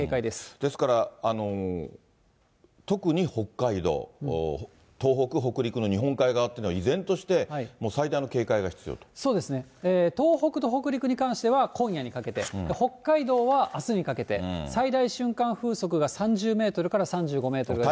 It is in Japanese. ですから、特に北海道、東北、北陸の日本海側っていうのは依然として、そうですね、東北と北陸に関しては、今夜にかけて、北海道はあすにかけて、最大瞬間風速が３０メートルから３５メートル。